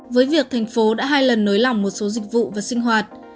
với việc thành phố đã hai lần nới lỏng một số dịch vụ và sinh hoạt